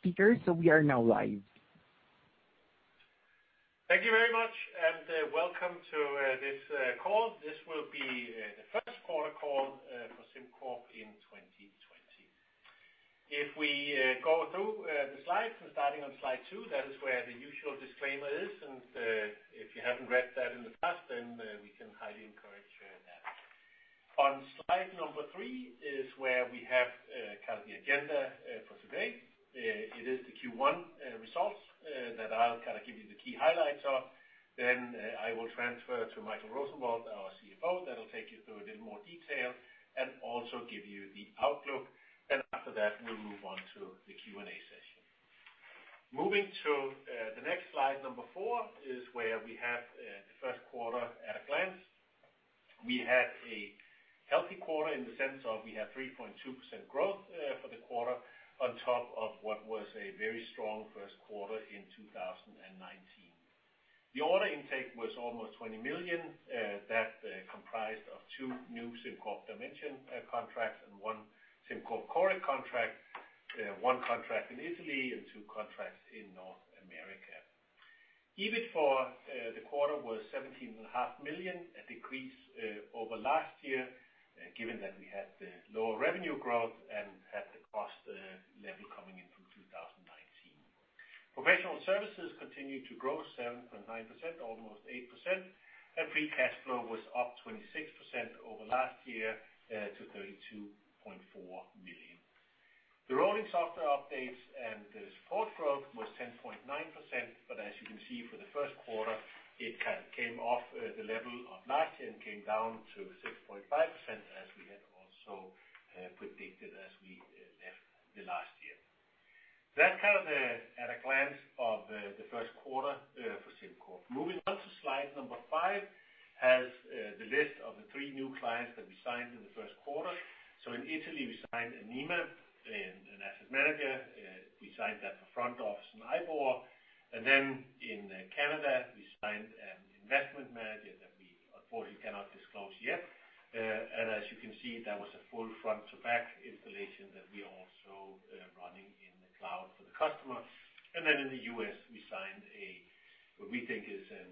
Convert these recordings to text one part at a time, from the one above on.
We are now live. Thank you very much, welcome to this call. This will be the first quarter call for SimCorp in 2020. If we go through the slides starting on slide two, that is where the usual disclaimer is. If you haven't read that in the past, we can highly encourage that. On slide number three is where we have the agenda for today. It is the Q1 results that I'll give you the key highlights of. I will transfer to Michael Rosenvold, our CFO, that'll take you through it in more detail and also give you the outlook. After that, we'll move on to the Q&A session. Moving to the next slide, number four, is where we have the first quarter at a glance. We had a healthy quarter in the sense of we had 3.2% growth for the quarter on top of what was a very strong first quarter in 2019. The order intake was almost 20 million. That comprised of two new SimCorp Dimension contracts and one SimCorp Coric contract, one contract in Italy and two contracts in North America. EBIT for the quarter was 17.5 million, a decrease over last year, given that we had the lower revenue growth and had the cost level coming in from 2019. Professional services continued to grow 7.9%, almost 8%, and free cash flow was up 26% over last year to 32.4 million. The rolling software updates and the support growth was 10.9%, but as you can see for the first quarter, it came off the level of last year and came down to 6.5%, as we had also predicted as we left the last year. That's at a glance of the first quarter for SimCorp. Moving on to slide number five, has the list of the three new clients that we signed in the first quarter. In Italy, we signed Anima, an asset manager. We signed that for front office and IBOR. In Canada, we signed an investment manager that we unfortunately cannot disclose yet. As you can see, that was a full front-to-back installation that we are also running in the cloud for the customer. In the U.S., we signed a, what we think is a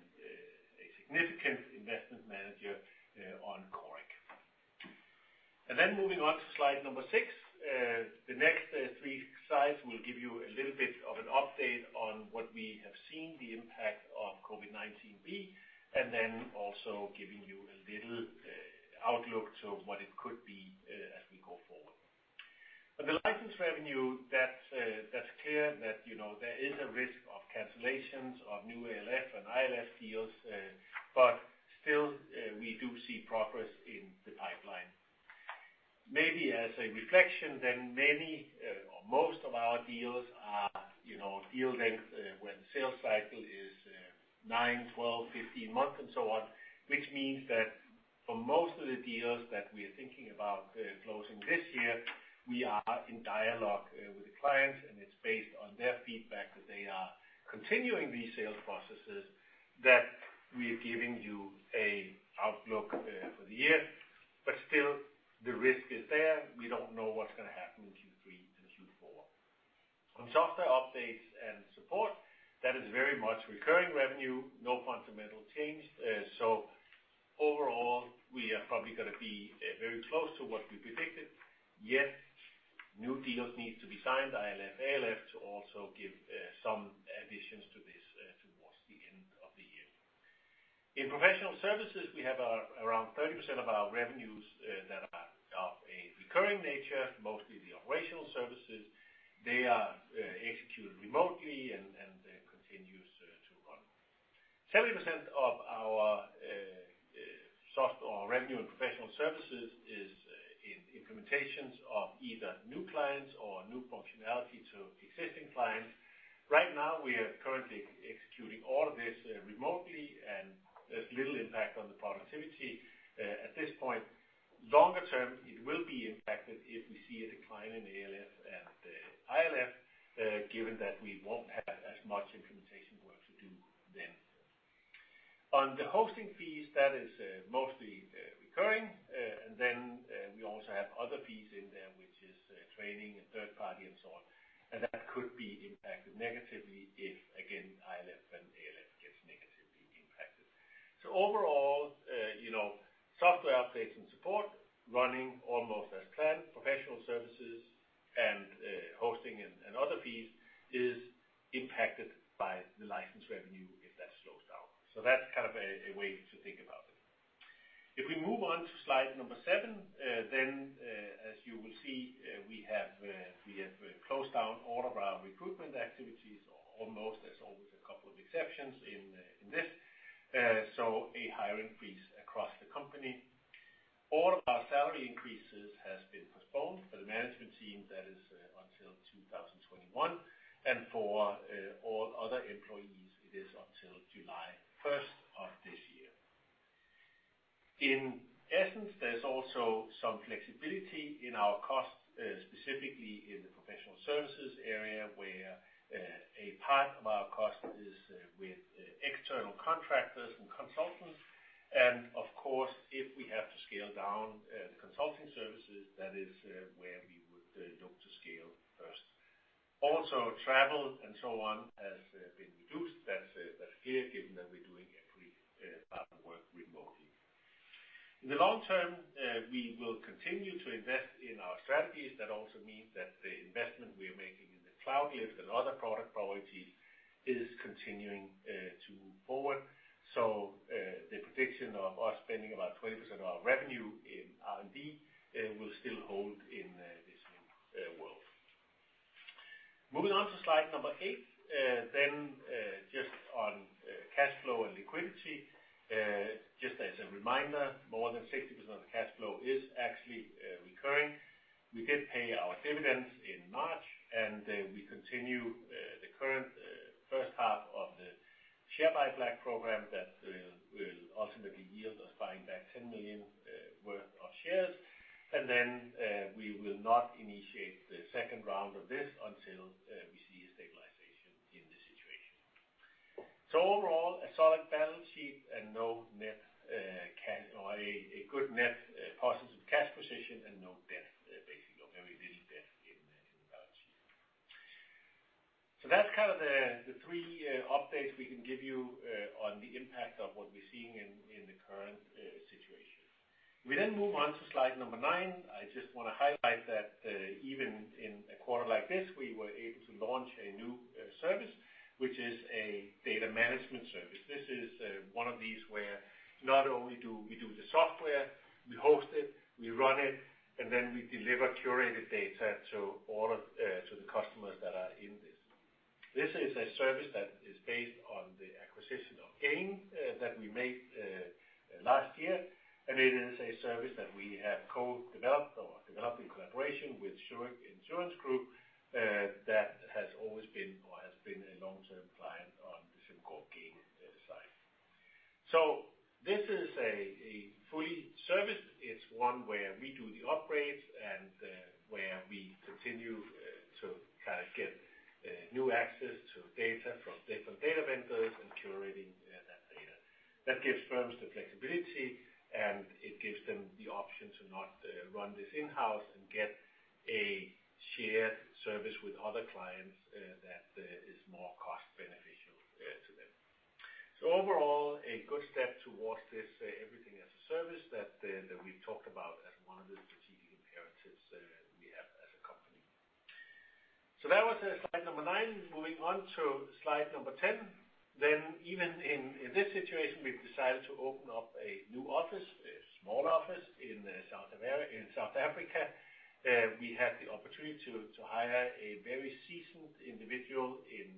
significant investment manager on Coric. Moving on to slide number six. The next three slides will give you a little bit of an update on what we have seen the impact of COVID-19 be, and then also giving you a little outlook to what it could be as we go forward. For the license revenue, that's clear that there is a risk of cancellations of new ALF and ILF deals, but still, we do see progress in the pipeline. Maybe as a reflection then many or most of our deals are deal length when sales cycle is nine, 12, 15 months and so on, which means that for most of the deals that we are thinking about closing this year, we are in dialogue with the clients, and it's based on their feedback that they are continuing these sales processes that we are giving you a outlook for the year. Still, the risk is there. We don't know what's going to happen in Q3 and Q4. On software updates and support, that is very much recurring revenue, no fundamental change. Overall, we are probably going to be very close to what we predicted, yet new deals need to be signed, ILF, ALF to also give some additions to this towards the end of the year. In professional services, we have around 30% of our revenues that are of a recurring nature, mostly the operational services. They are executed remotely and continues to run. 70% of our revenue in professional services is in implementations of either new clients or new functionality to existing clients. Right now, we are currently executing all of this remotely, and there's little impact on the productivity at this point. Longer term, it will be impacted if we see a decline in ALF and ILF, given that we won't have as much implementation work to do then. Then we also have other fees in there, which is training and third party and so on. That could be impacted negatively if, again, ILF and ALF gets negatively impacted. Overall software updates and support running almost as planned, professional services and hosting and other fees is impacted by the license revenue if that slows down. That's kind of a way to think about it. If we move on to slide number seven, as you will see, we have closed down all of our recruitment activities, almost. There's always a couple of exceptions in this. A hiring freeze across the company. All of our salary increases has been postponed for the management team, that is until 2021. For all other employees, it is until July 1st of this year. In essence, there's also some flexibility in our cost, specifically in the professional services area where a part of our cost is with external contractors and consultants. Of course, if we have to scale down consulting services, that is where we would look to scale first. Travel and so on has been reduced. That's clear, given that we're doing every part of work remotely. In the long term, we will continue to invest in our strategies. That also means that the investment we are making in the cloud lift and other product priorities is continuing to move forward. The prediction of us spending about 20% of our revenue in R&D will still hold in this new world. Moving on to slide number eight, then just on cash flow and liquidity. Just as a reminder, more than 60% of cash flow is actually recurring. We did pay our dividends in March, a small office in South Africa. We had the opportunity to hire a very seasoned individual in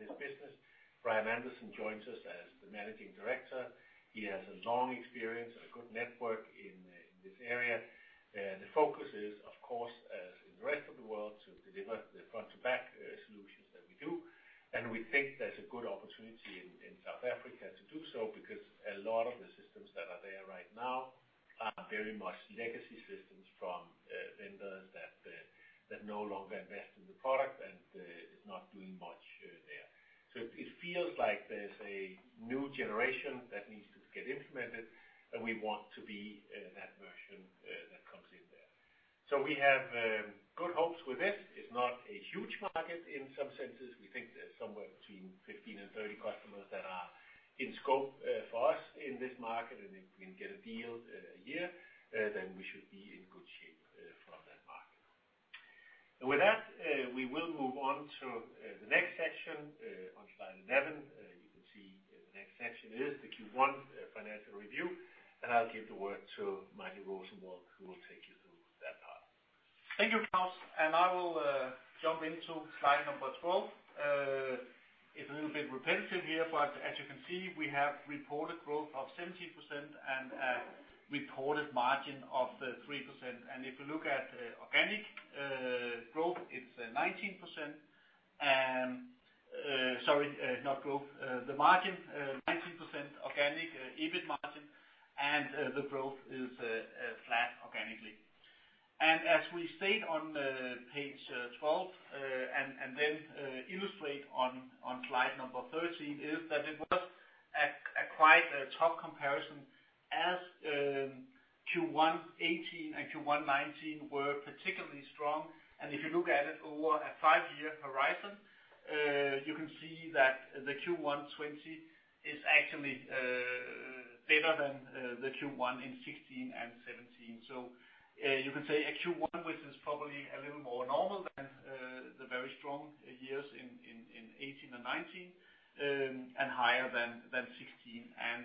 this business. Brian Anderson joins us as the Managing Director. He has a long experience, a good network in this area. The focus is, of course, as in the rest of the world, to deliver the front-to-back solutions that we do. We think there's a good opportunity in South Africa to do so because a lot of the systems that are there right now are very much legacy systems from vendors that no longer invest in the product and is not doing much there. It feels like there's a new generation that needs to get implemented, and we want to be that version that comes in there. We have good hopes with this. It's not a huge market in some senses. We think there's somewhere between 15 and 30 customers that are in scope for us in this market, and if we can get a deal a year, then we should be in good shape for that market. With that, we will move on to the next section on slide 11. You can see the next section is the Q1 financial review, and I'll give the word to Michael Rosenvold, who will take you through that part. Thank you, Klaus. I will jump into slide number 12. It's a little bit repetitive here, but as you can see, we have reported growth of 17% and a reported margin of 3%. If you look at organic growth, it's 19%. Sorry, not growth. The margin, 19% organic EBIT margin, and the growth is flat organically. As we state on page 12 and then illustrate on slide number 13, is that it was a quite a tough comparison as Q1 2018 and Q1 2019 were particularly strong. If you look at it over a five-year horizon, you can see that the Q1 2020 is actually better than the Q1 in 2016 and 2017. You can say a Q1, which is probably a little more normal than the very strong years in 2018 and 2019, and higher than 2016 and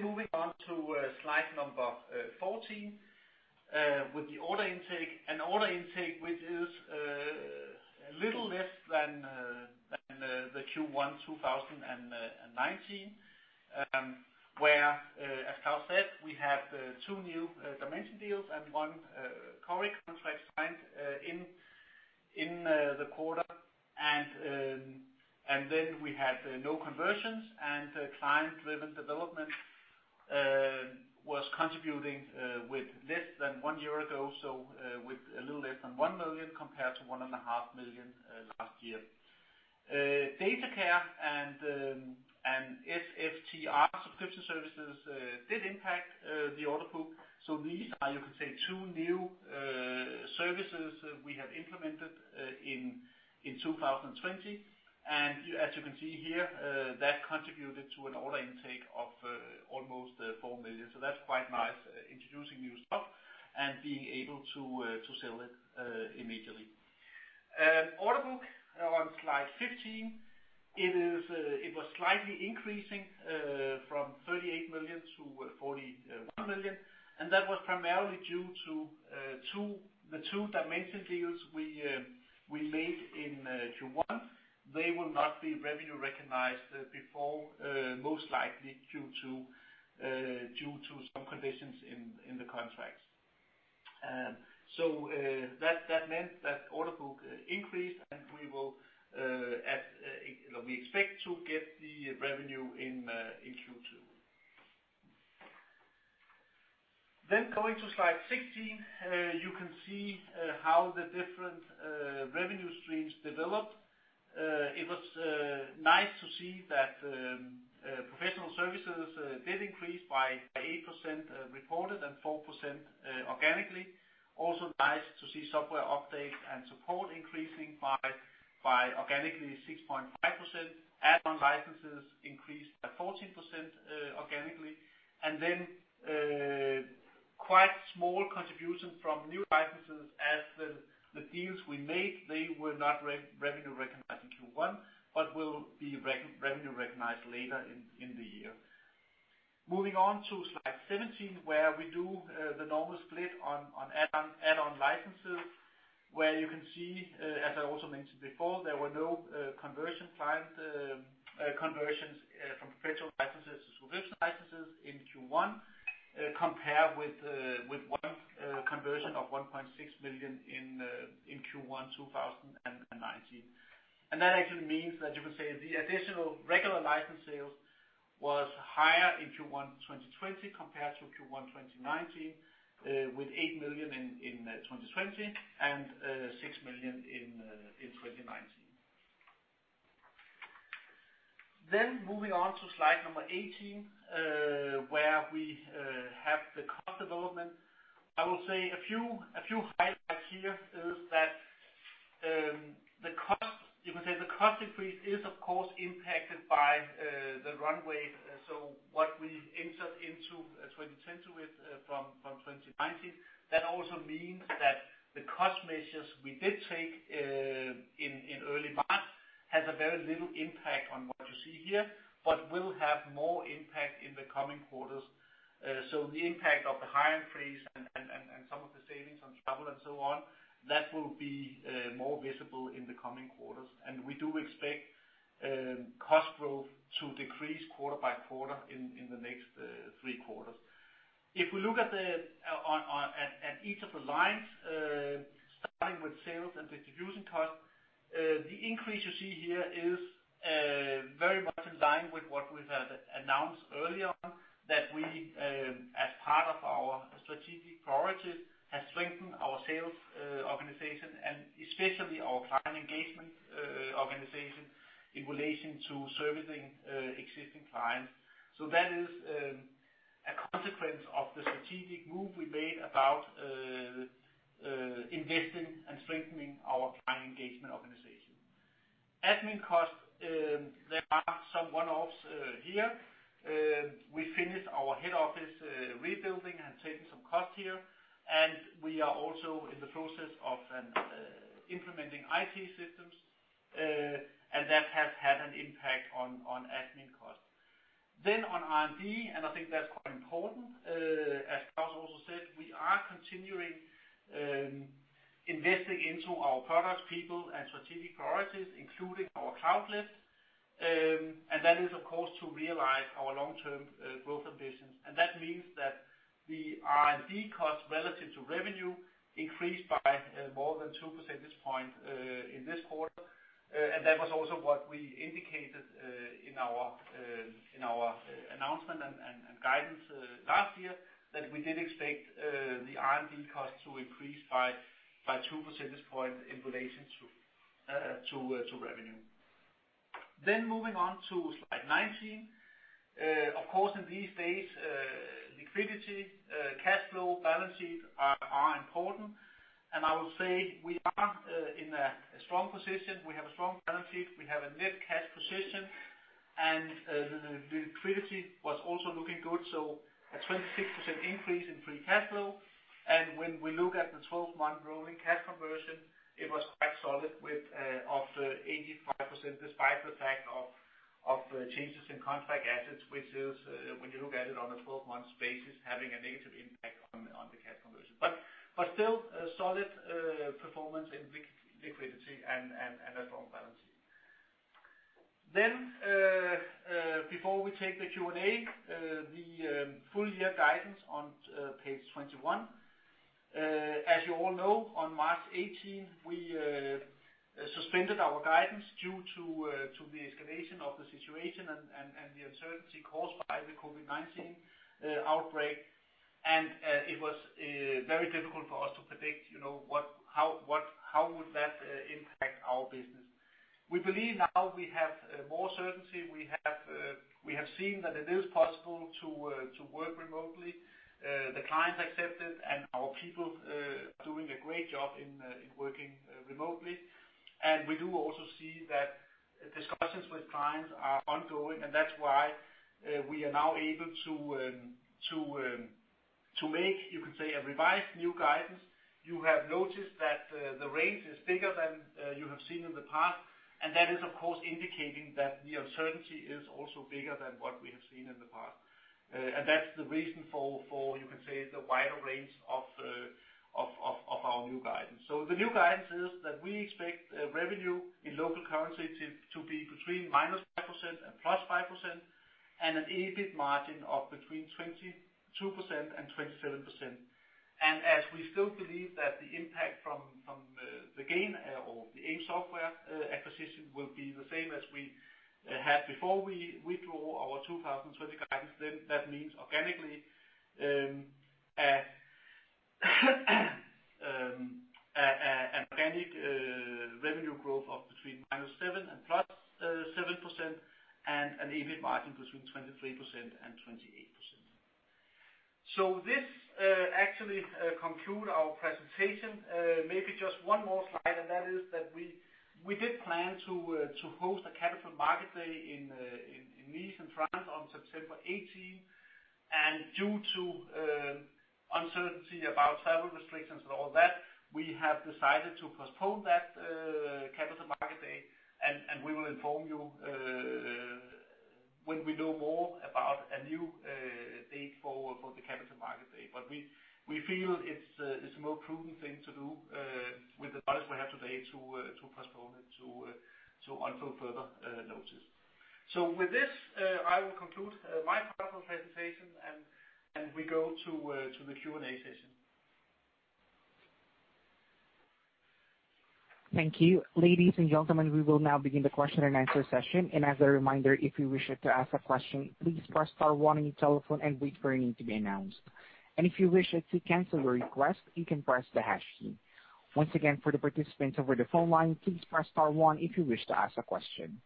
2017. Moving on to slide 14 with the order intake. An order intake which is a little less than the Q1 2019, where, as Klaus said, we have two new Dimension deals and one Coric contract signed in the quarter. We had no conversions and client-driven development was contributing with less than one year ago, so with a little less than 1 million compared to one and a half million last year. SimCorp Datacare and SFTR subscription services did impact the order book. These are, you could say, two new services we have implemented in 2020. As you can see here, that contributed to an order intake of almost 4 million. That's quite nice, introducing new stuff and being able to sell it immediately. Order book on slide 15, it was slightly increasing from 38 million to 41 million. That was primarily due to the two Dimension deals we made in Q1. They will not be revenue recognized before, most likely Q2 due to some conditions in the contracts. That meant that order book increased. We expect to get the revenue in Q2. Going to slide 16, you can see how the different revenue streams developed. It was nice to see that professional services did increase by 8% reported, 4% organically. Also nice to see software updates and support increasing by organically 6.5%. Add-on licenses increased by 14% organically. Quite small contribution from new licenses as the deals we made, they were not revenue recognized in Q1, will be revenue recognized later in the year. Moving on to slide 17, where we do the normal split on add-on licenses, where you can see, as I also mentioned before, there were no conversion client conversions from perpetual licenses to subscription licenses in Q1 compare with one conversion of 1.6 million in Q1 2019. That actually means that you can say the additional regular license sales was higher in Q1 2020 compared to Q1 2019, with 8 million in 2020 and 6 million in 2019. Moving on to slide number 18, where we have the cost development. I will say a few highlights here is that the cost increase is, of course, impacted by the run rate. What we entered into 2020 with from 2019, that also means that the cost measures we did take in early March has a very little impact on what you see here but will have more impact in the coming quarters. The impact of the hire freeze and some of the savings on travel and so on, that will be more visible in the coming quarters. We do expect cost growth to decrease quarter by quarter in the next three quarters. If we look at each of the lines, starting with sales and distribution costs, the increase you see here is very much in line with what we've announced earlier, that we, as part of our strategic priorities, have strengthened our sales organization and especially our client engagement organization in relation to servicing existing clients. That is a consequence of the strategic move we made about investing and strengthening our client engagement organization. Admin costs, there are some one-offs here. We finished our head office rebuilding and taking some cost here, and we are also in the process of implementing IT systems, and that has had an impact on admin costs. On R&D, and I think that's quite important, as Klaus also said, we are continuing investing into our products, people, and strategic priorities, including our cloud lift. That is, of course, to realize our long-term growth ambitions. That means that the R&D cost relative to revenue increased by more than two percentage points in this quarter. That was also what we indicated in an announcement and guidance last year, that we did expect the R&D cost to increase by two percentage points in relation to revenue. Moving on to slide 19. Of course, in these days, liquidity, cash flow, balance sheet are important. I will say we are in a strong position. We have a strong balance sheet. We have a net cash position, the liquidity was also looking good. A 26% increase in free cash flow. When we look at the 12-month rolling cash conversion, it was quite solid with a solid 85%, despite the fact of changes in contract assets, which is when you look at it on a 12-month basis, having a negative impact on the cash conversion. Still a solid performance in liquidity and a strong balance sheet. Before we take the Q&A, the full year guidance on page 21. As you all know, on March 18, we suspended our guidance due to the escalation of the situation and the uncertainty caused by the COVID-19 outbreak. It was very difficult for us to predict how would that impact our business. We believe now we have more certainty. We have seen that it is possible to work remotely. The clients accept it, and our people are doing a great job in working remotely. We do also see that discussions with clients are ongoing, and that's why we are now able to make, you can say, a revised new guidance. You have noticed that the range is bigger than you have seen in the past, and that is, of course, indicating that the uncertainty is also bigger than what we have seen in the past. That's the reason for, you can say, the wider range of our new guidance. The new guidance is that we expect revenue in local currency to be between -5% and +5%, and an EBIT margin of between 22% and 27%. As we still believe that the impact from the Gain or the AIM Software acquisition will be the same as we had before we draw our 2020 guidance, that means organically, an organic revenue growth of between -7% and +7%, and an EBIT margin between 23% and 28%. This actually conclude our presentation. Maybe just one more slide, and that is that we did plan to host a Capital Markets Day in Nice, France on September 18. Due to uncertainty about travel restrictions and all that, we have decided to postpone that Capital Markets Day, and we will inform you when we know more about a new date for the Capital Markets Day. We feel it's a more prudent thing to do with the guidance we have today to postpone it until further notice. With this, I will conclude my part of the presentation, and we go to the Q&A session. Thank you. Ladies and gentlemen, we will now begin the question and answer session. As a reminder, if you wish to ask a question, please press star one on your telephone and wait for your name to be announced. If you wish to cancel your request, you can press the hash key. Once again, for the participants over the phone line, please press star one if you wish to ask a question.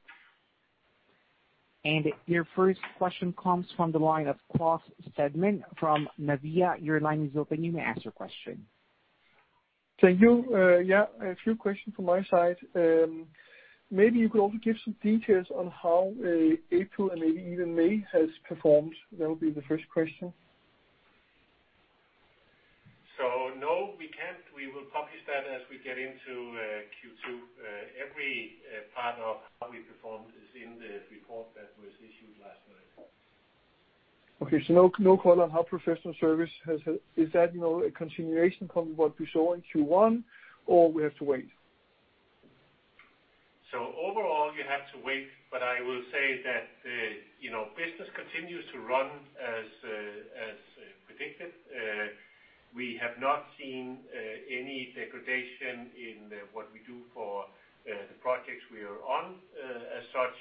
Your first question comes from the line of Claus Sedmin from Navia. Your line is open. You may ask your question. Thank you. Yeah, a few questions from my side. Maybe you could also give some details on how April and maybe even May has performed. That will be the first question. No, we can't. We will publish that as we get into Q2. Every part of how we performed is in the report that was issued last night. Okay. No color on how professional service has. Is that a continuation from what we saw in Q1, or we have to wait? Overall, you have to wait, but I will say that business continues to run as predicted. We have not seen any degradation in what we do for the projects we are on, as such.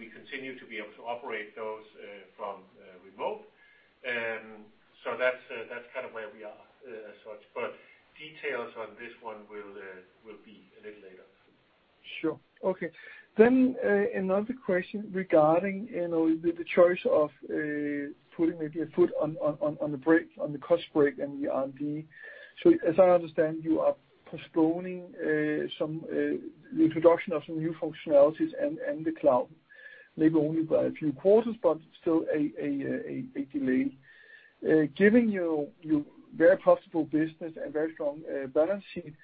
We continue to be able to operate those from remote. That's kind of where we are as such. Details on this one will be a little later. Sure. Okay. Another question regarding the choice of putting maybe a foot on the brake, on the cost brake in the R&D. As I understand, you are postponing the introduction of some new functionalities and the cloud. Maybe only by a few quarters, but still a delay. Given your very profitable business and very strong balance sheet,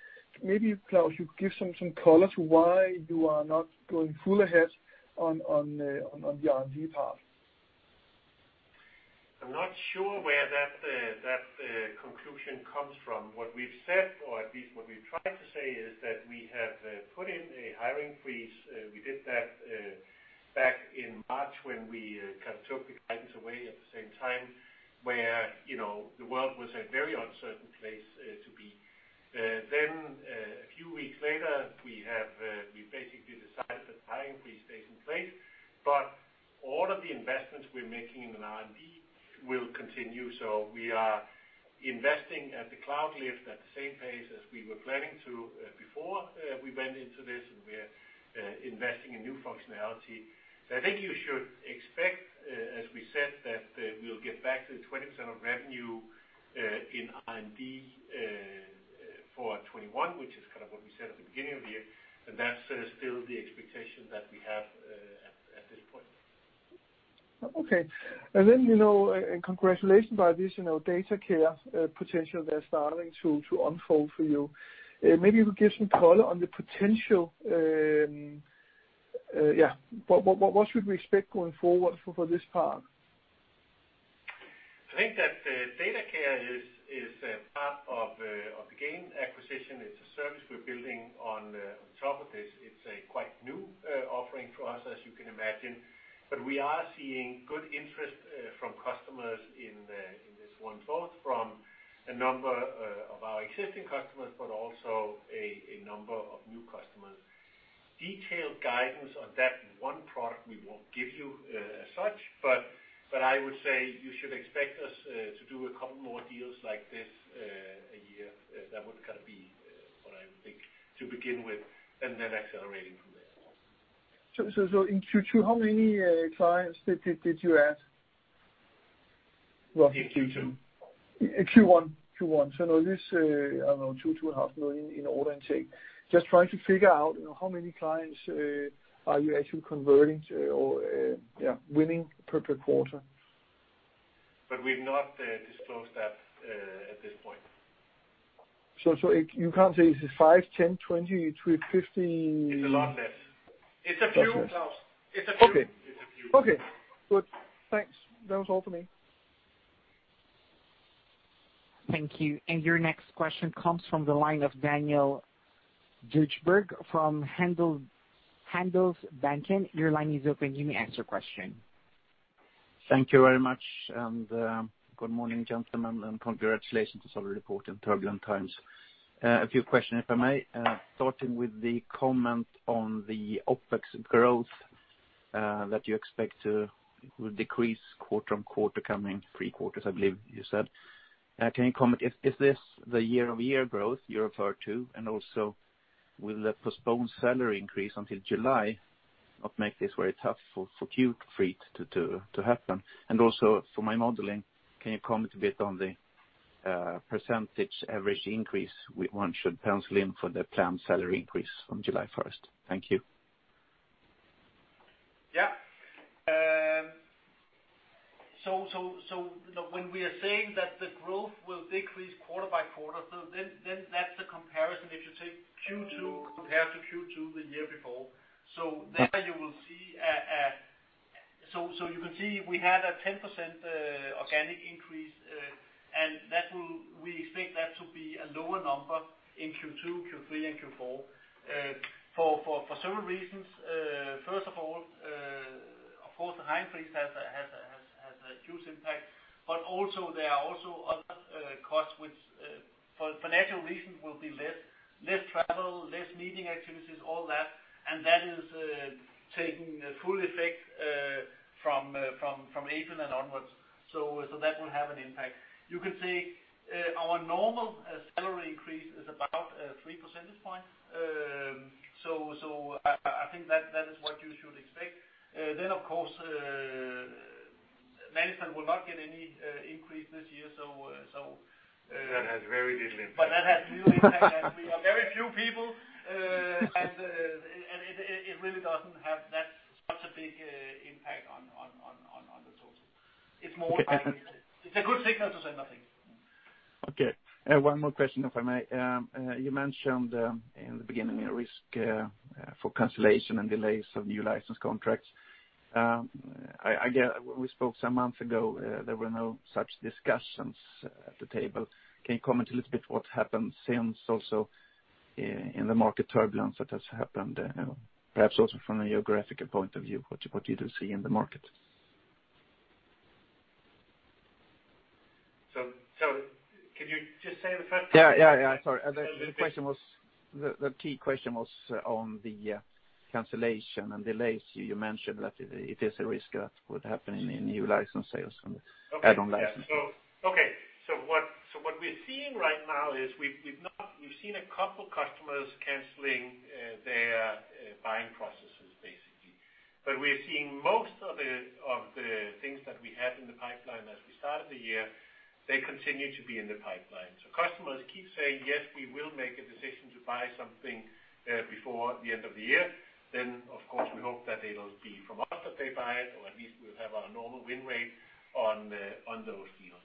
maybe, Klaus, you could give some color to why you are not going full ahead on the R&D part. I'm not sure where that conclusion comes from. What we've said, or at least what we've tried to say, is that we have put in a hiring freeze. We did that back in March when we kind of took the guidance away at the same time, where the world was a very uncertain place to be. A few weeks later, we basically decided the hiring freeze stays in place. All of the investments we're making in the R&D will continue. We are investing at the cloud lift at the same pace as we were planning to before we went into this, and we're investing in new functionality. I think you should expect, as we said, that we'll get back to the 20% of revenue in R&D for 2021, which is kind of what we said at the beginning of the year. That's still the expectation that we have at this point. Okay. Congratulations by this SimCorp Datacare potential that's starting to unfold for you. Maybe you could give some color on the potential. What should we expect going forward for this part? I think that SimCorp Datacare is a part of Dimension. It's a service we're building on top of this. It's a quite new offering for us, as you can imagine. We are seeing good interest from customers in this one, both from a number of our existing customers, but also a number of new customers. Detailed guidance on that one product we won't give you as such, but I would say you should expect us to do a couple more deals like this a year. That would kind of be what I would think to begin with, and then accelerating from there. In Q2, how many clients did you add? In Q2? In Q1. Now this, I don't know, two and a half million in order intake. Just trying to figure out, how many clients are you actually converting to or winning per quarter? We've not disclosed that at this point. You can't say is it five, 10, 20, 15? It's a lot less. It's a few. Okay. Good. Thanks. That was all for me. Thank you. Your next question comes from the line of Daniel Djurberg from Handelsbanken. Your line is open. You may ask your question. Thank you very much. Good morning, gentlemen, and congratulations on the report in turbulent times. A few questions, if I may. Starting with the comment on the OPEX growth, that you expect to decrease quarter-on-quarter coming three quarters, I believe you said. Can you comment, is this the year-over-year growth you refer to? Also, will the postponed salary increase until July not make this very tough for Q3 to happen? Also for my modeling, can you comment a bit on the percentage average increase one should pencil in for the planned salary increase on July 1st? Thank you. Yeah. When we are saying that the growth will decrease quarter by quarter, that's the comparison if you take Q2 compared to Q2 the year before. You can see we had a 10% organic increase, and we expect that to be a lower number in Q2, Q3, and Q4, for several reasons. First of all, of course, the hiring freeze has a huge impact. There are also other costs which for financial reasons will be less. Less travel, less meeting activities, all that. That is taking full effect from April and onwards. That will have an impact. You can see our normal salary increase is about three percentage points. I think that is what you should expect. Of course, management will not get any increase this year. That has very little impact. That has little impact as we are very few people. It really doesn't have that much a big impact on the total. It's more symbolic. It's a good signal to say nothing. Okay. One more question, if I may. You mentioned in the beginning a risk for cancellation and delays of new license contracts. We spoke some months ago, there were no such discussions at the table. Can you comment a little bit what happened since also in the market turbulence that has happened, perhaps also from a geographical point of view, what you do see in the market? Can you just say the first part again? Yeah. Sorry. The key question was on the cancellation and delays. You mentioned that it is a risk that would happen in new license sales and add-on license. Okay. What we're seeing right now is we've seen a couple customers canceling their buying processes, basically. We're seeing most of the things that we had in the pipeline as we started the year, they continue to be in the pipeline. Customers keep saying, "Yes, we will make a decision to buy something before the end of the year." Of course, we hope that it'll be from us that they buy it, or at least we'll have our normal win rate on those deals.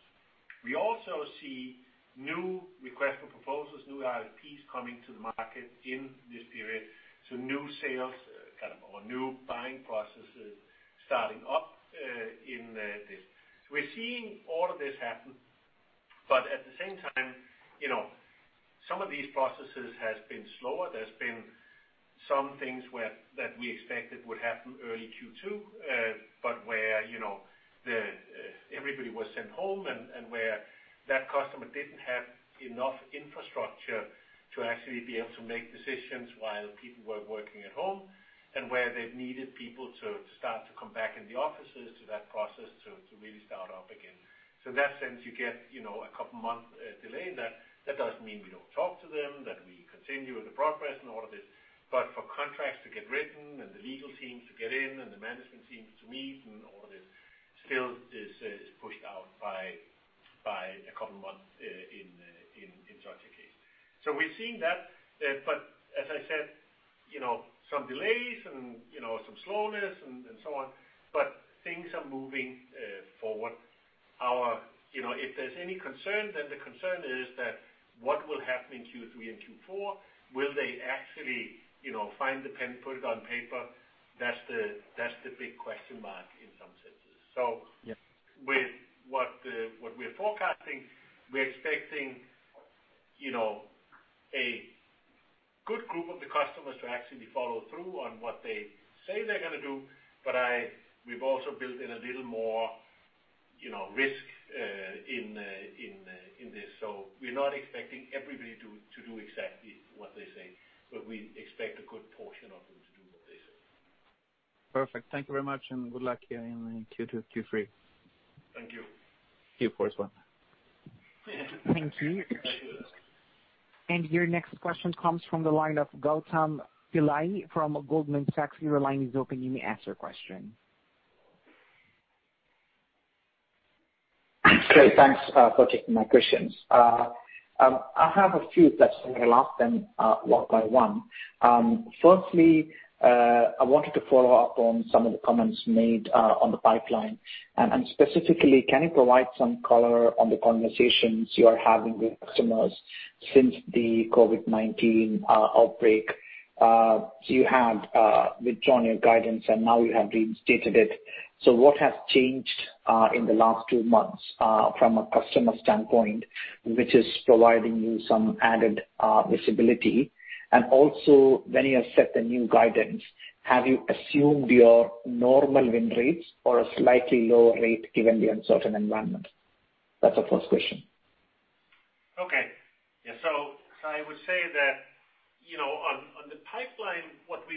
We also see new Request for Proposals, new RFPs coming to the market in this period. New sales, kind of our new buying processes starting up in this. We're seeing all of this happen, but at the same time, some of these processes has been slower. There's been some things that we expected would happen early Q2, where everybody was sent home and where that customer didn't have enough infrastructure to actually be able to make decisions while people were working at home, where they've needed people to start to come back in the offices to that process to really start up again. In that sense, you get a couple of months delay in that. That doesn't mean we don't talk to them, that we continue with the progress and all of this. For contracts to get written and the legal teams to get in and the management teams to meet and all of this, still is pushed out by a couple of months in such a case. We're seeing that. As I said, some delays and some slowness and so on, but things are moving forward. If there's any concern, the concern is that what will happen in Q3 and Q4? Will they actually find the pen, put it on paper? That's the big question mark in some senses. With what we're forecasting, we're expecting a good group of the customers to actually follow through on what they say they're going to do. We've also built in a little more risk in this. We're not expecting everybody to do exactly what they say, but we expect a good portion of them to do what they say. Perfect. Thank you very much, and good luck here in Q2, Q3. Thank you. Q4 as well. Thank you. Thank you. Your next question comes from the line of Gautam Pillai from Goldman Sachs. Your line is open. You may ask your question. Great. Thanks for taking my questions. I have a few questions. I'm going to ask them one by one. Firstly, I wanted to follow up on some of the comments made on the pipeline, and specifically, can you provide some color on the conversations you are having with customers since the COVID-19 outbreak? You have withdrawn your guidance, now you have reinstated it. What has changed in the last two months from a customer standpoint, which is providing you some added visibility? Also, when you have set the new guidance, have you assumed your normal win rates or a slightly lower rate, given the uncertain environment? That's the first question. Okay. Yeah. I would say that on the pipeline, let's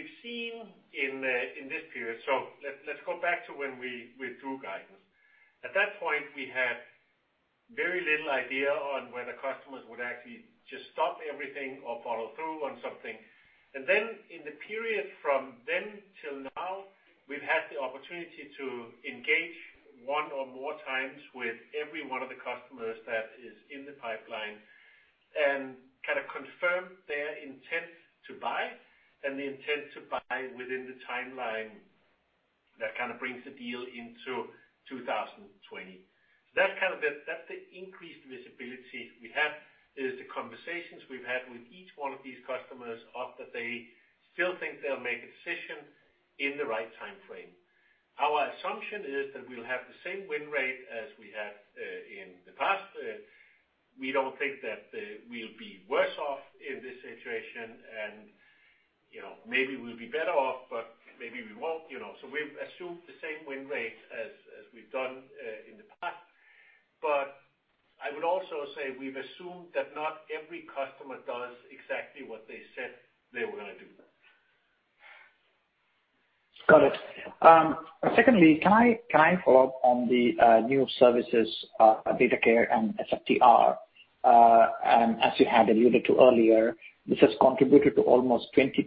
go back to when we withdrew guidance. At that point, we had very little idea on whether customers would actually just stop everything or follow through on something. In the period from then till now, we've had the opportunity to engage one or more times with every one of the customers that is in the pipeline and kind of confirm their intent to buy and the intent to buy within the timeline that kind of brings the deal into 2020. That's the increased visibility we have, is the conversations we've had with each one of these customers of that they still think they'll make a decision in the right time frame. Our assumption is that we'll have the same win rate as we had in the past. We don't think that we'll be worse off in this situation, and maybe we'll be better off, but maybe we won't. We've assumed the same win rate as we've done in the past. I would also say we've assumed that not every customer does exactly what they said they were going to do. Got it. Secondly, can I follow up on the new services, Datacare and SFTR? As you had alluded to earlier, this has contributed to almost 20%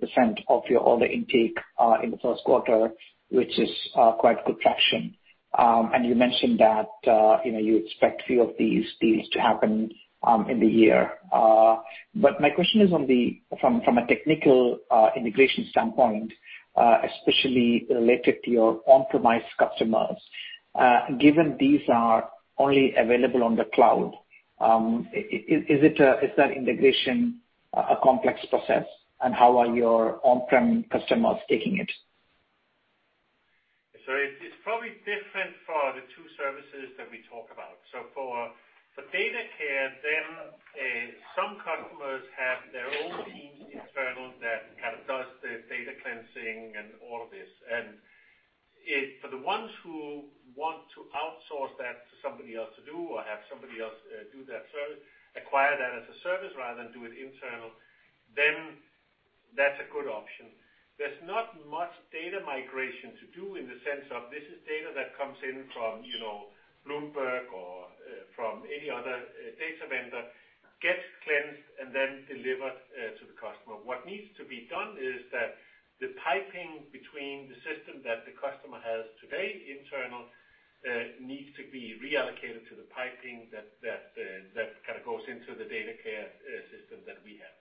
of your order intake in the first quarter, which is quite good traction. You mentioned that you expect few of these deals to happen in the year. My question is from a technical integration standpoint, especially related to your on-premise customers. Given these are only available on the cloud, is that integration a complex process, and how are your on-prem customers taking it? It's probably different for the two services that we talk about. For Datacare, some customers have their own teams internal that kind of does the data cleansing and all of this. For the ones who want to outsource that to somebody else to do or have somebody else do that service, acquire that as a service rather than do it internal, that's a good option. There's not much data migration to do in the sense of this is data that comes in from Bloomberg or from any other data vendor, gets cleansed, and then delivered to the customer. What needs to be done is that the piping between the system that the customer has today internal needs to be reallocated to the piping that kind of goes into the Datacare system that we have.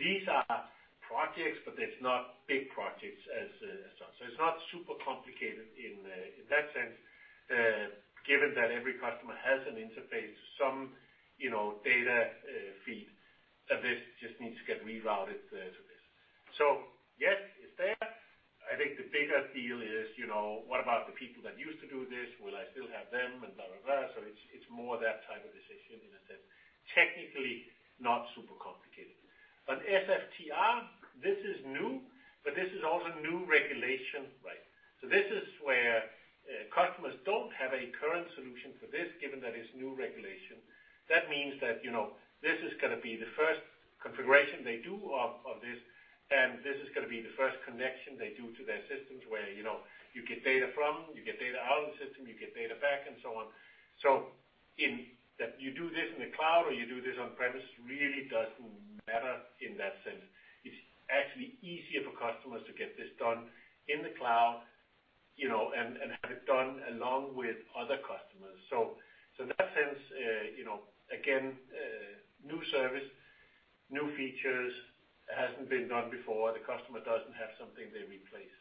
These are projects, it's not big projects as such. It's not super complicated in that sense, given that every customer has an interface, some data feed. This just needs to get rerouted to this. Yes, it's there. I think the bigger deal is, what about the people that used to do this? Will I still have them? Blah, blah. It's more that type of decision in a sense. Technically, not super complicated. SFTR, this is new, but this is also new regulation, right? This is where customers don't have a current solution for this, given that it's new regulation. That means that this is going to be the first configuration they do of this, and this is going to be the first connection they do to their systems where you get data from, you get data out of the system, you get data back, and so on. You do this in the cloud or you do this on-premise really doesn't matter in that sense. It's actually easier for customers to get this done in the cloud, and have it done along with other customers. In that sense again, new service, new features, it hasn't been done before. The customer doesn't have something they replace.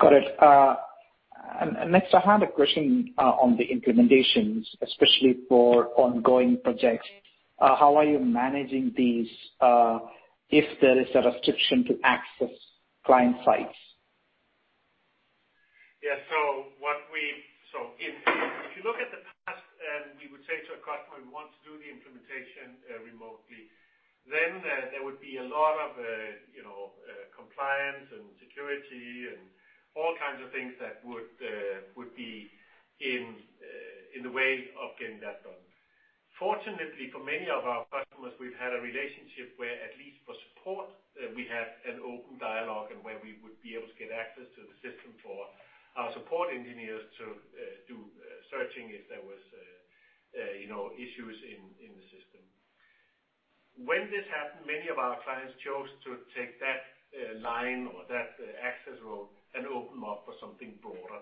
Got it. Next, I had a question on the implementations, especially for ongoing projects. How are you managing these, if there is a restriction to access client sites? Yeah. If you look at the past, and we would say to a customer, we want to do the implementation remotely, then there would be a lot of compliance and security and all kinds of things that would be in the way of getting that done. Fortunately, for many of our customers, we've had a relationship where at least for support, we had an open dialogue and where we would be able to get access to the system for our support engineers to do searching if there was issues in the system. When this happened, many of our clients chose to take that line or that access road and open them up for something broader.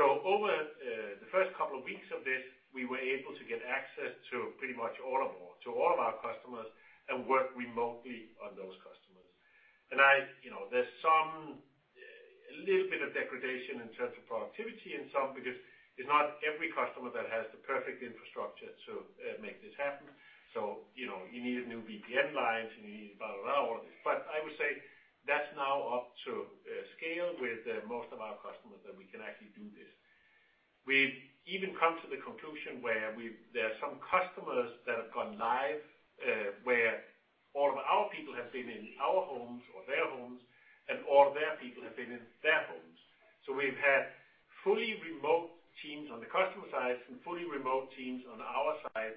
Over the first couple of weeks of this, we were able to get access to pretty much all of our customers and work remotely on those customers. There's a little bit of degradation in terms of productivity in some, because it's not every customer that has the perfect infrastructure to make this happen. You need new VPN lines, you need blah, blah. I would say that's now up to scale with most of our customers that we can actually do this. We've even come to the conclusion where there are some customers that have gone live, where all of our people have been in our homes or their homes, and all their people have been in their homes. We've had fully remote teams on the customer side and fully remote teams on our side,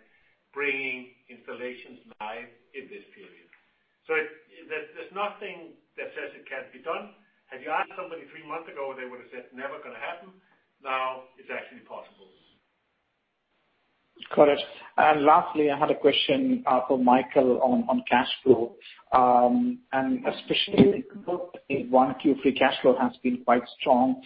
bringing installations live in this period. There's nothing that says it can't be done. Had you asked somebody three months ago, they would've said, "Never going to happen." Now it's actually possible. Got it. Lastly, I had a question for Michael on cash flow. Especially in Q1, Q3 cash flow has been quite strong.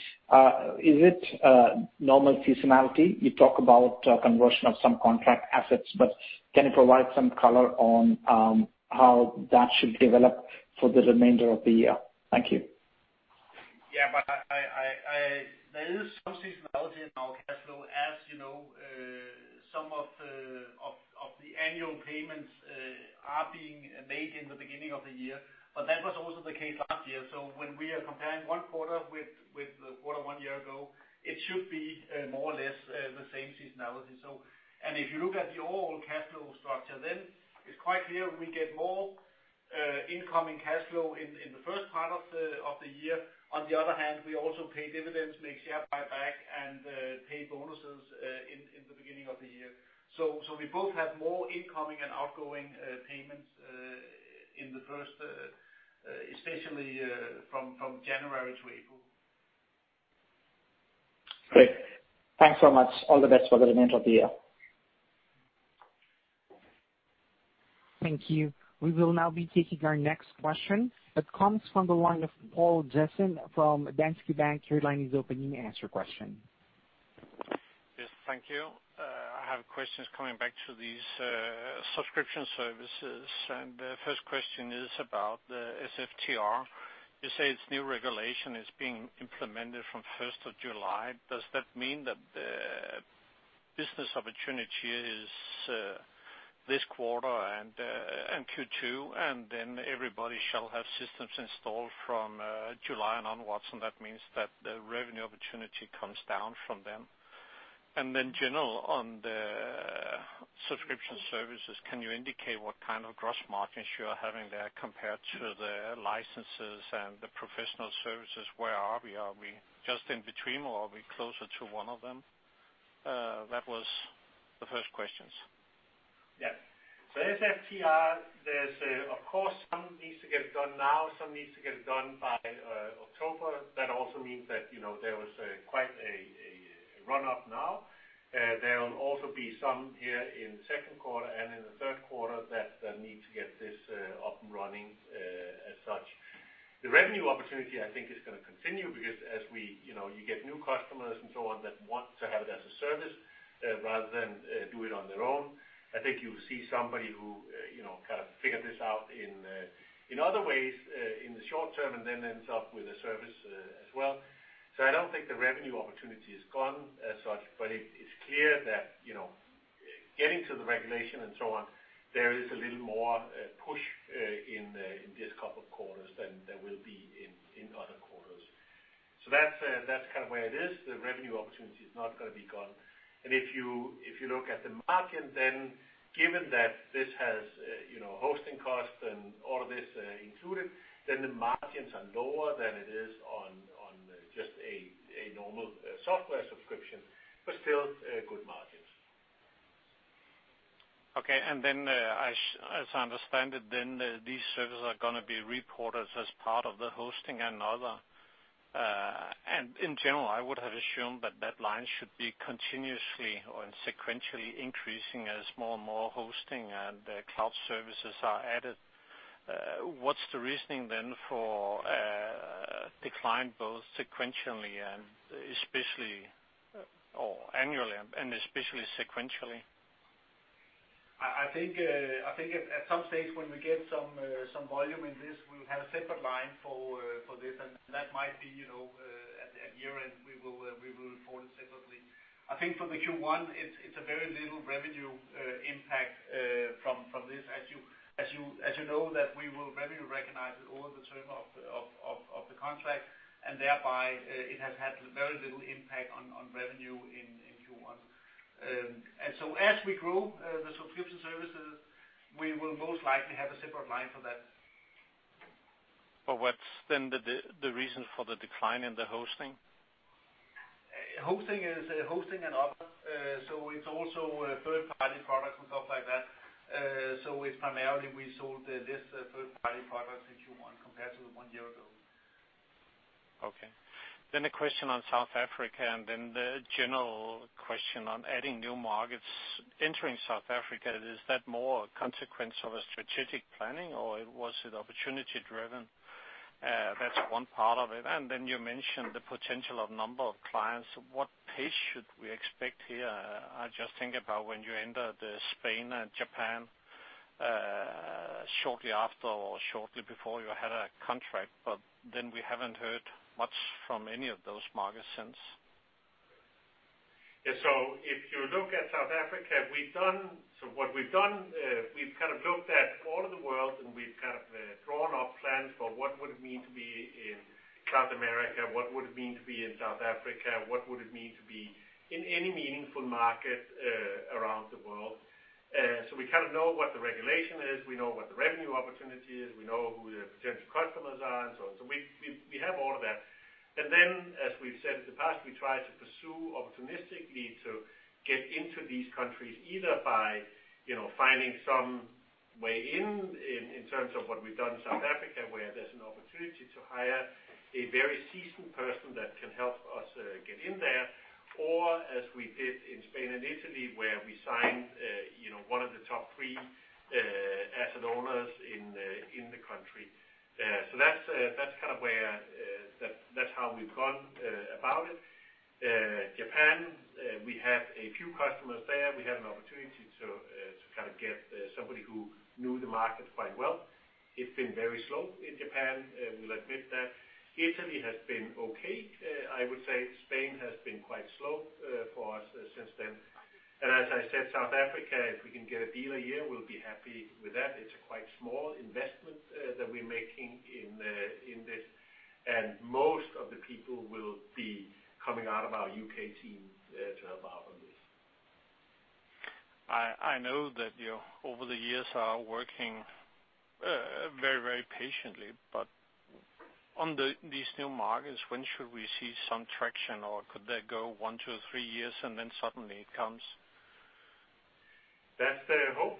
Is it a normal seasonality? You talk about conversion of some contract assets, but can you provide some color on how that should develop for the remainder of the year? Thank you. Yeah, there is some seasonality in our cash flow, as you know. Some of the annual payments are being made in the beginning of the year, but that was also the case last year. When we are comparing one quarter with the quarter one year ago, it should be more or less the same seasonality. If you look at the overall cash flow structure, then it's quite clear we get more incoming cash flow in the first part of the year. On the other hand, we also pay dividends, make share buyback, and pay bonuses in the beginning of the year. We both have more incoming and outgoing payments in the first, especially from January to April. Great. Thanks so much. All the best for the remainder of the year. Thank you. We will now be taking our next question that comes from the line of Poul Jessen from Danske Bank. Your line is open. You may ask your question. Yes. Thank you. I have questions coming back to these subscription services. The first question is about the SFTR. You say it's new regulation is being implemented from 1st of July. Does that mean that the business opportunity is this quarter and Q2, and then everybody shall have systems installed from July and onwards, and that means that the revenue opportunity comes down from then? General on the subscription services, can you indicate what kind of gross margins you are having there compared to the licenses and the professional services? Where are we? Are we just in between or are we closer to one of them? That was the first question. SFTR, of course, some needs to get done now, some needs to get done by October. That also means that there was quite a run-up now. There will also be some here in the second quarter and in the third quarter that need to get this up and running as such. The revenue opportunity, I think is going to continue because as you get new customers and so on that want to have it as a service rather than do it on their own. I think you'll see somebody who kind of figured this out in other ways, in the short term, and then ends up with a service as well. I don't think the revenue opportunity is gone as such, but it's clear that getting to the regulation and so on, there is a little more push in these couple of quarters than there will be in other quarters. That's kind of where it is. The revenue opportunity is not going to be gone. If you look at the market, then given that this has hosting costs and all of this included, then the margins are lower than it is on just a normal software subscription, but still good margins. Okay. As I understand it, then these services are going to be reported as part of the hosting and other. In general, I would have assumed that that line should be continuously or sequentially increasing as more and more hosting and cloud services are added. What's the reasoning then for a decline both sequentially and annually and especially sequentially? I think at some stage when we get some volume in this, we'll have a separate line for this. That might be at year-end, we will report it separately. I think for the Q1, it's a very little revenue impact from this. You know that we will revenue recognize it over the term of the contract, and thereby, it has had very little impact on revenue in Q1. As we grow the subscription services, we will most likely have a separate line for that. What's then the reason for the decline in the hosting? Hosting and other. It's also a third-party product and stuff like that. It's primarily we sold less third-party products in Q1 compared to one year ago. Okay. A question on South Africa, and then the general question on adding new markets. Entering South Africa, is that more a consequence of a strategic planning, or was it opportunity driven? That's one part of it. You mentioned the potential of number of clients. What pace should we expect here? I just think about when you entered Spain and Japan, shortly after or shortly before you had a contract, but then we haven't heard much from any of those markets since. Yeah. If you look at South Africa, what we've done, we've kind of looked at all of the world, and we've kind of drawn up plans for what would it mean to be in South America, what would it mean to be in South Africa, what would it mean to be in any meaningful market around the world. We kind of know what the regulation is, we know what the revenue opportunity is, we know who the potential customers are, and so on. We have all of that. As we've said in the past, we try to pursue opportunistically to get into these countries, either by finding some way in terms of what we've done in South Africa, where there's an opportunity to hire a very seasoned person that can help us get in there. As we did in Spain and Italy, where we signed one of the top three asset owners in the country. That's how we've gone about it. Japan, we have a few customers there. We had an opportunity to kind of get somebody who knew the market quite well. It's been very slow in Japan, we'll admit that. Italy has been okay. I would say Spain has been quite slow for us since then. As I said, South Africa, if we can get a deal a year, we'll be happy with that. It's a quite small investment that we're making in this, and most of the people will be coming out of our U.K. team to help out on this. I know that you, over the years, are working very patiently, but on these new markets, when should we see some traction, or could that go one to three years, and then suddenly it comes? That's the hope.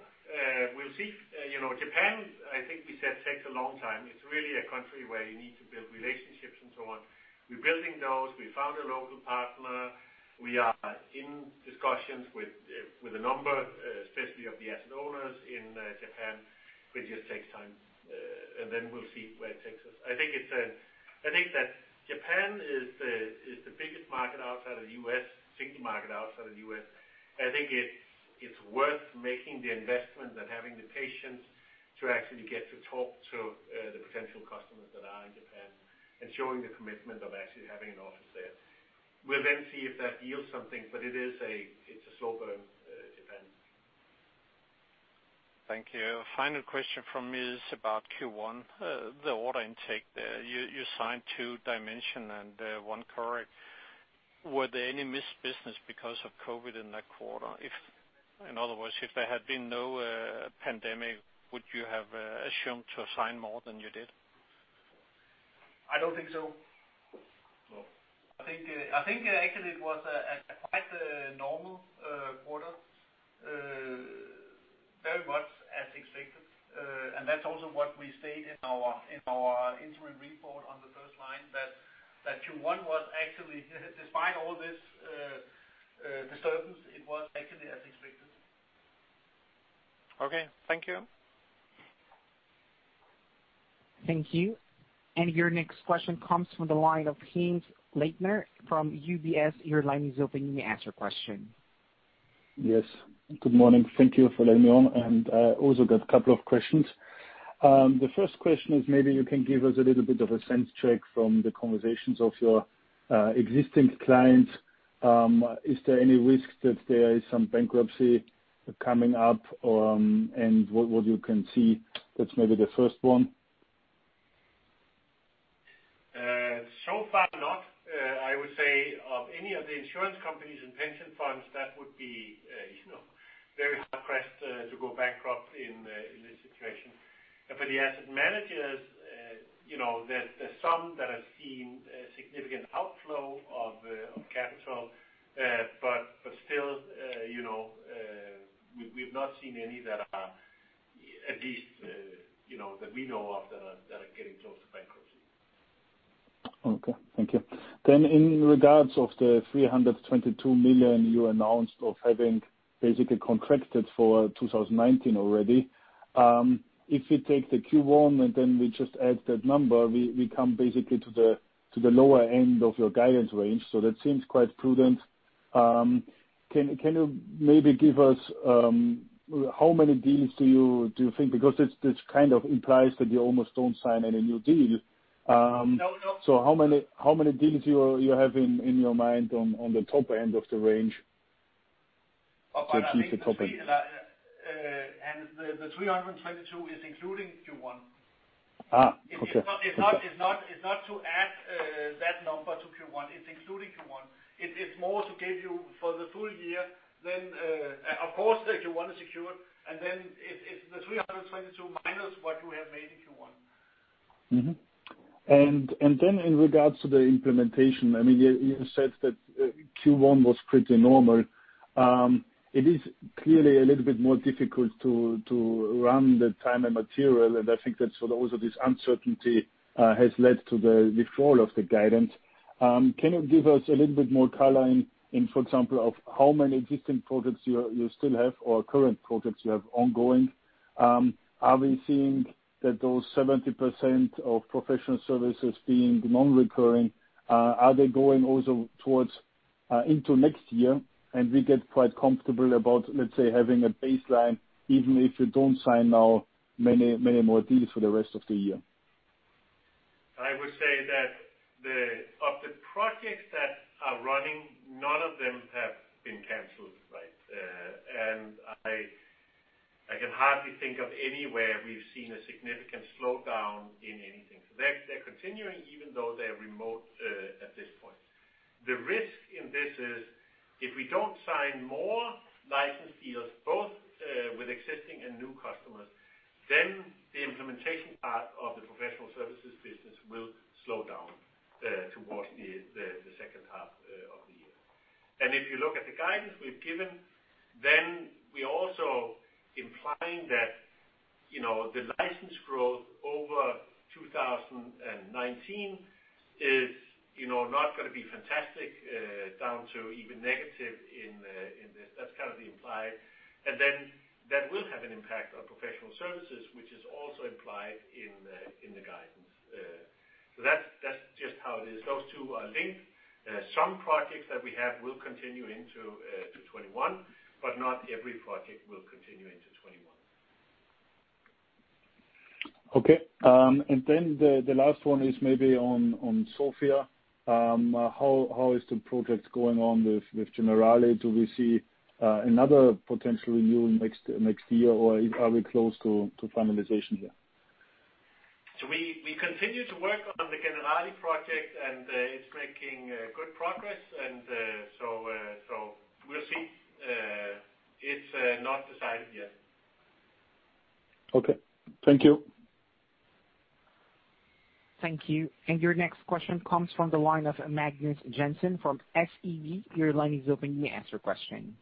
We'll see. Japan, I think we said, takes a long time. It's really a country where you need to build relationships and so on. We're building those. We found a local partner. We are in discussions with a number, especially of the asset owners in Japan. It just takes time, and then we'll see where it takes us. I think that Japan is the biggest market outside of the U.S., single market outside of the U.S. I think it's worth making the investment and having the patience to actually get to talk to the potential customers that are in Japan and showing the commitment of actually having an office there. We'll then see if that yields something, but it's a slow burn, Japan. Thank you. Final question from me is about Q1, the order intake there. You signed two Dimension and one Coric. Were there any missed business because of COVID in that quarter? If, in other words, if there had been no pandemic, would you have assumed to have signed more than you did? I don't think so. No. I think actually it was a quite normal quarter, very much as expected. That's also what we state in our interim report on the first line, that Q1 was actually, despite all this disturbance, it was actually as expected. Okay. Thank you. Thank you. Your next question comes from the line of Hannes Leitner from UBS. Your line is open. You may ask your question. Yes. Good morning. Thank you for letting me on. I also got a couple of questions. The first question is maybe you can give us a little bit of a sense check from the conversations of your existing clients. Is there any risk that there is some bankruptcy coming up? What you can see? That's maybe the first one. Far not. I would say of any of the insurance companies and pension funds, that would be very hard-pressed to go bankrupt in this situation. The asset managers, there's some that have seen a significant outflow of capital. Still, we've not seen any that are, at least, that we know of, that are getting close to bankruptcy. Okay. Thank you. In regards of the 322 million you announced of having basically contracted for 2019 already, if we take the Q1 and then we just add that number, we come basically to the lower end of your guidance range. That seems quite prudent. Can you maybe give us how many deals do you think, because this kind of implies that you almost don't sign any new deals? No. How many deals you have in your mind on the top end of the range? The 322 is including Q1. Okay. It's not to add that number to Q1, it's including Q1. It's more to give you for the full year, of course, the Q1 is secure, and then it's the 322 minus what you have made in Q1. Mm-hmm. In regards to the implementation, you said that Q1 was pretty normal. It is clearly a little bit more difficult to run the time and material, and I think that also this uncertainty has led to the fall of the guidance. Can you give us a little bit more color in, for example, of how many existing projects you still have or current projects you have ongoing? Are we seeing that those 70% of professional services being non-recurring, are they going also towards into next year and we get quite comfortable about, let's say, having a baseline, even if you don't sign now many more deals for the rest of the year? I would say that of the projects that are running, none of them have been canceled. Right. I can hardly think of anywhere we've seen a significant slowdown in anything. They're continuing, even though they're remote at this point. The risk in this is, if we don't sign more license deals, both with existing and new customers, then the implementation part of the professional services business will slow down towards the second half of the year. If you look at the guidance we've given, then we're also implying that the license growth over 2019 is not going to be fantastic down to even negative in this. That's kind of the implied. That will have an impact on professional services, which is also implied in the guidance. That's just how it is. Those two are linked. Some projects that we have will continue into 2021, but not every project will continue into 2021. Okay. The last one is maybe on Sofia. How is the project going on with Generali? Do we see another potential renewal next year, or are we close to finalization here? We continue to work on the Generali project, and it's making good progress, and so we'll see. It's not decided yet. Okay. Thank you. Thank you. Your next question comes from the line of Magnus Jensen from SEB. Your line is open. You may ask your question.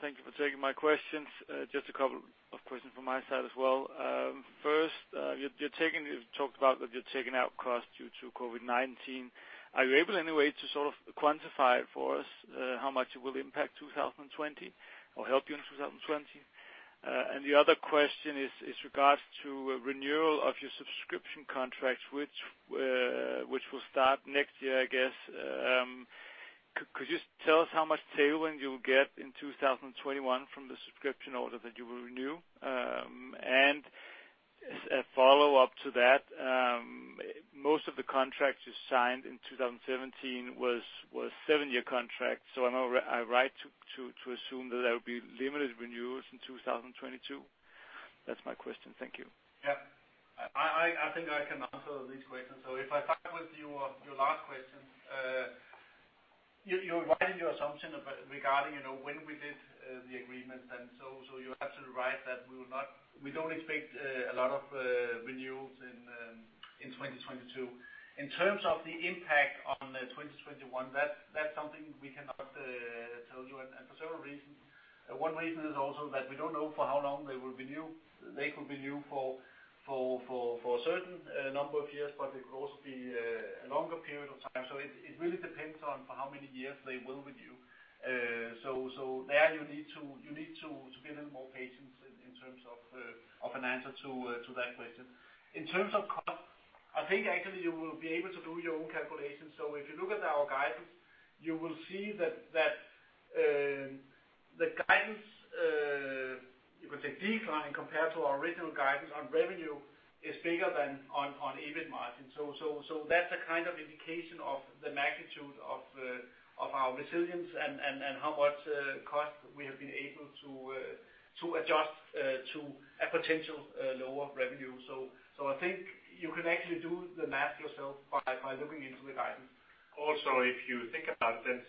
Thank you for taking my questions. Just a couple of questions from my side as well. First, you've talked about that you're taking out costs due to COVID-19. Are you able in a way to sort of quantify it for us, how much it will impact 2020 or help you in 2020? The other question is regards to renewal of your subscription contracts, which will start next year, I guess. Could you tell us how much tailwind you'll get in 2021 from the subscription order that you will renew? As a follow-up to that, most of the contracts you signed in 2017 was seven-year contracts, so am I right to assume that there will be limited renewals in 2022? That's my question. Thank you. Yeah. I think I can answer these questions. If I start with your last question, you're right in your assumption regarding when we did the agreement. You're absolutely right that we don't expect a lot of renewals in 2022. In terms of the impact on 2021, that's something we cannot tell you for several reasons. One reason is also that we don't know for how long they will renew. They could renew for a certain number of years, but it could also be a longer period of time. It really depends on for how many years they will renew. There you need to be a little more patient in terms of an answer to that question. In terms of cost, I think actually you will be able to do your own calculations. If you look at our guidance, you will see that the guidance, you could say decline compared to our original guidance on revenue is bigger than on EBIT margin. That's a kind of indication of the magnitude of our resilience and how much cost we have been able to adjust to a potential lower revenue. I think you can actually do the math yourself by looking into the guidance. If you think about 75%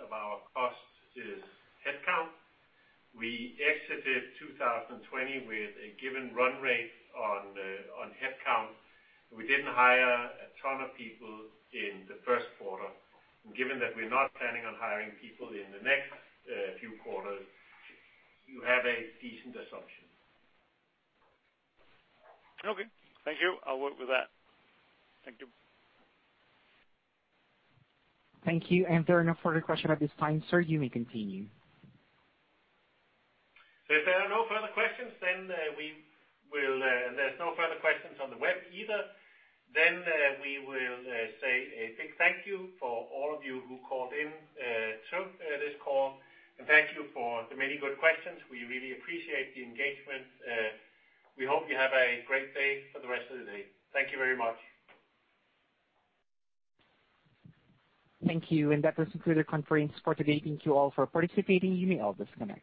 of our cost is headcount. We exited 2020 with a given run rate on headcount. We didn't hire a ton of people in the first quarter. Given that we're not planning on hiring people in the next few quarters, you have a decent assumption. Okay. Thank you. I'll work with that. Thank you. Thank you. There are no further questions at this time, sir. You may continue. If there are no further questions, and there's no further questions on the web either, we will say a big thank you for all of you who called in to this call. Thank you for the many good questions. We really appreciate the engagement. We hope you have a great day for the rest of the day. Thank you very much. Thank you. That does conclude our conference for today. Thank you all for participating. You may all disconnect.